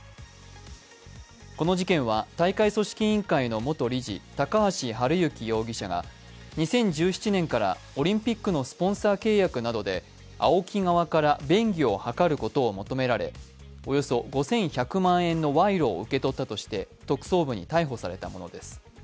この事件は大会組織委の元理事高橋治之容疑者が２０１７年からオリンピックのスポンサー契約などでＡＯＫＩ側から便宜を図ることを求められおよそ５１００万円の賄賂を受け取ったとして特捜部に逮捕されたものです。